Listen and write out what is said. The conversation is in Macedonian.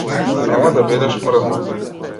Немој да бидеш мрза.